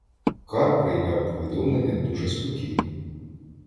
Кар прийняв повідомлення дуже спокійно.